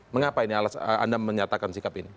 mengapa ini anda menyatakan sikap ini